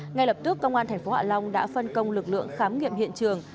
ngay lập tức công an thành phố hạ long đã phân công lực lượng khám nghiệm hiện trường